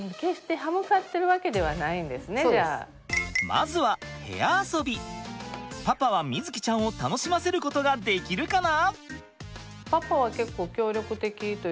まずはパパは瑞己ちゃんを楽しませることができるかな？